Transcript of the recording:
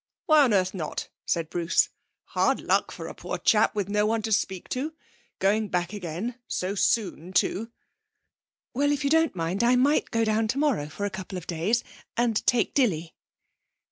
'Why on earth not?' said Bruce. 'Hard luck for a poor chap with no one to speak to. Going back again; so soon too.' 'Well, if you don't mind I might go down tomorrow for a couple of days, and take Dilly.'